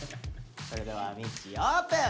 それではみっちーオープン！